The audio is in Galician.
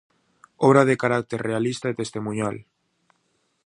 Obra de carácter realista e testemuñal.